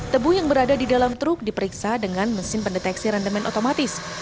tebu yang berada di dalam truk diperiksa dengan mesin pendeteksi rendemen otomatis